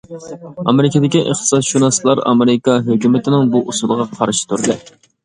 ئامېرىكىدىكى ئىقتىسادشۇناسلار ئامېرىكا ھۆكۈمىتىنىڭ بۇ ئۇسۇلىغا قارىشى تۇردى.